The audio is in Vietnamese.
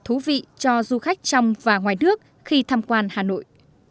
thú vị cho du khách trong và ngoài nước khi tham quan hà nội